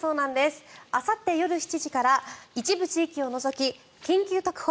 あさって夜７時から一部地域を除き「緊急特報！